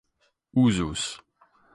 uzus